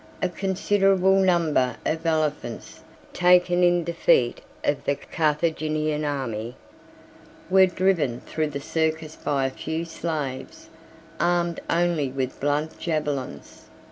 A considerable number of elephants, taken in the defeat of the Carthaginian army, were driven through the circus by a few slaves, armed only with blunt javelins.